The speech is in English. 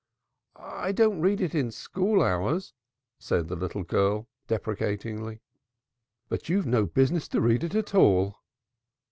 "I don't read it in school hours," said the little girl deprecatingly. "But you have no business to read it at all!"